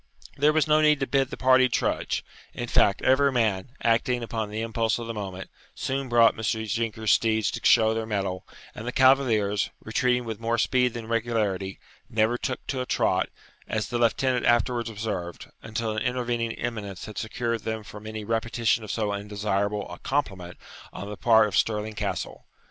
There was no need to bid the party trudge. In fact, every man, acting upon the impulse of the moment, soon brought Mr. Jinker's steeds to show their mettle, and the cavaliers, retreating with more speed than regularity, never took to a trot, as the lieutenant afterwards observed, until an intervening eminence had secured them from any repetition of so undesirable a compliment on the part of Stirling Castle.